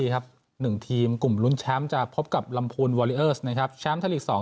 หนึ่งทีมกลุ่มลุ้นแชมป์จะพบกับลำพูลนะครับแชมป์ทะลีกสอง